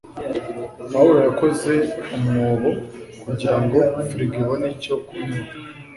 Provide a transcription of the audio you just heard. Pawulo yakoze umwobo kugirango frigo ibone icyo kunywa